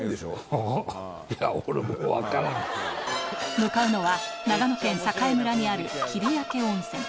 向かうのは長野県栄村にある切明温泉